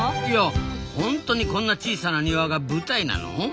いやホントにこんな小さな庭が舞台なの？